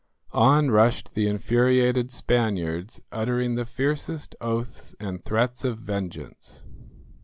On rushed the infuriated Spaniards, uttering the fiercest oaths and threats of vengeance.